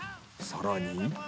更に。